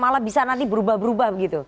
malah bisa nanti berubah berubah begitu